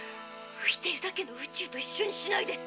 ういているだけの宇宙と一緒にしないで！